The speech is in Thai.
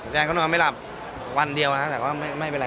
แดงก็นอนไม่หลับวันเดียวนะครับแต่ว่าไม่เป็นไร